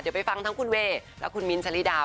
เดี๋ยวไปฟังทั้งคุณเวย์และคุณมิ้นทะลิดา